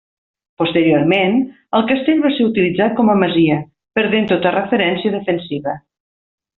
Posteriorment, el castell va ser utilitzat com a masia, perdent tota referència defensiva.